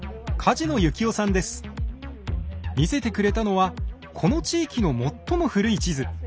見せてくれたのはこの地域の最も古い地図。